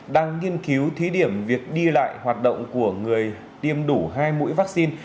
đang nghiên cứu thí điểm việc đi lại hoạt động của người tiêm đủ hai mũi vaccine